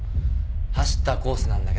走ったコースなんだけど。